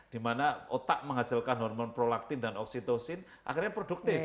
dimana otak menghasilkan hormon prolaktin dan oksitosin akhirnya produktif